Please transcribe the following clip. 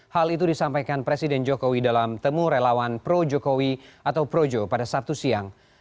hal itu disampaikan presiden jokowi dalam temu relawan pro jokowi atau projo pada sabtu siang